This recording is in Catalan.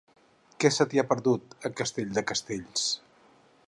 Què se t'hi ha perdut, a Castell de Castells?